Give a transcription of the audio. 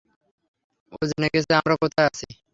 ও জেনে গেছে আমরা কোথায় আছি!